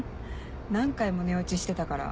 何回も寝落ちしてたから。